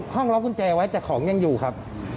ล็อกกุญแจไว้แต่ของยังอยู่ครับ